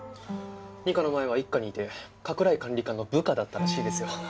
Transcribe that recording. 二課の前は一課にいて加倉井管理官の部下だったらしいですよ。